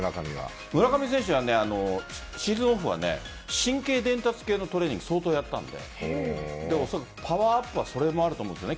村上選手はシーズンオフは神経伝達系のトレーニングを相当やったのでおそらくパワーアップはそれもあると思うんです。